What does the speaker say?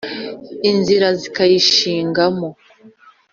Inzira zikayishingamo